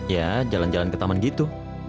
ya jalan jalan ke taman gitu